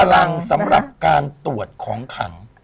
รับการตรวจของขัง